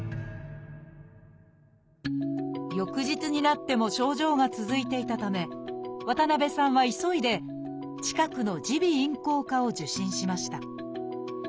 翌日になっても症状が続いていたため渡辺さんは急いで近くの耳鼻咽喉科を受診しました。